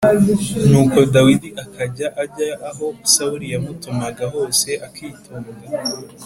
Nuko Dawidi akajya ajya aho Sawuli yamutumaga hose, akitonda.